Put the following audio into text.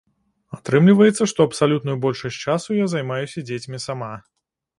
Атрымліваецца, што абсалютную большасць часу я займаюся дзецьмі сама.